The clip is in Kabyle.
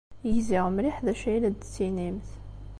Gziɣ mliḥ d acu ay la d-tettinimt.